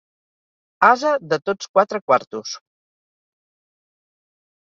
Ase de tots quatre quartos.